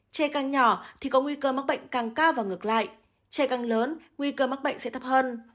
trẻ càng nhỏ thì có nguy cơ mắc bệnh càng cao và ngược lại trẻ càng lớn nguy cơ mắc bệnh sẽ thấp hơn